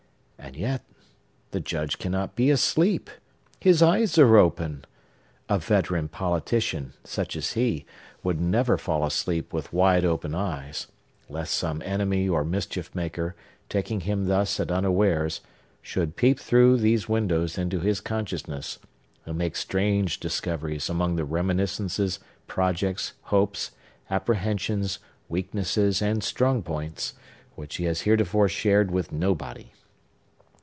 And yet, the Judge cannot be asleep. His eyes are open! A veteran politician, such as he, would never fall asleep with wide open eyes, lest some enemy or mischief maker, taking him thus at unawares, should peep through these windows into his consciousness, and make strange discoveries among the reminiscences, projects, hopes, apprehensions, weaknesses, and strong points, which he has heretofore shared with nobody.